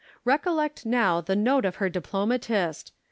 Recollect now the note of her diplomatist.